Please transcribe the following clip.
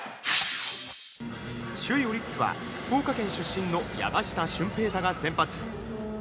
首位オリックスは福岡県出身の山下舜平大が先発。